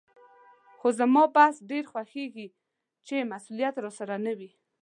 خو زما بس ډېر خوښېږي چې مسولیت راسره نه وي.